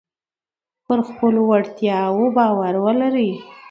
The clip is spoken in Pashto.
پر خپلو وړتیاو باور ولرئ.